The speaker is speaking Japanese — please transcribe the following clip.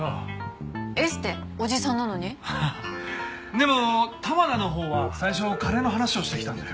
でも玉田のほうは最初金の話をしてきたんだよ。